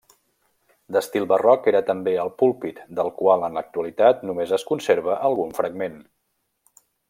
D'estil barroc era també el púlpit del qual en l'actualitat només es conserva algun fragment.